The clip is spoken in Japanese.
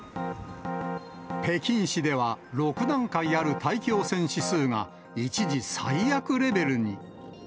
北京市では６段階ある大気汚染指数が一時、最悪レベルに。